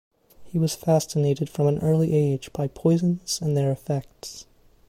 He was fascinated from an early age by poisons and their effects.